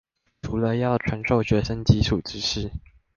除了要傳授學生基礎知識